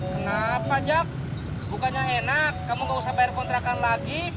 kena pajak bukannya enak kamu gak usah bayar kontrakan lagi